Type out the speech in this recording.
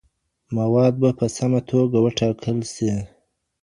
مواد به په سمه توګه وټاکل سي.